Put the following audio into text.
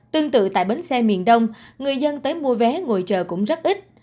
tương tự tại bến xe miền đông người dân tới mua vé ngồi chờ cũng rất ít